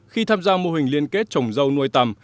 khi tham gia mô hình liên kết trồng dâu nuôi tầm